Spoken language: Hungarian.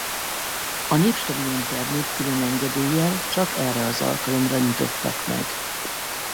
A Népstadion termét külön engedéllyel csak erre az alkalomra nyitottak meg.